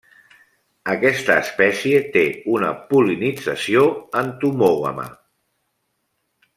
Aquesta espècie té una pol·linització entomògama.